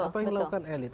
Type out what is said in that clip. apa yang dilakukan elit